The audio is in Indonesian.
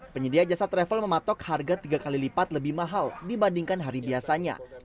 penyedia jasa travel mematok harga tiga kali lipat lebih mahal dibandingkan hari biasanya